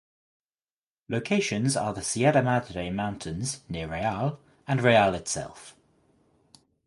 Locations are the Sierra Madre mountains near Real and Real itself.